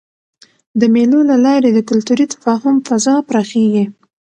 د مېلو له لاري د کلتوري تفاهم فضا پراخېږي.